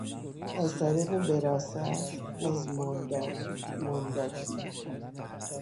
از طریق وراثت، از مانداک، مانداکی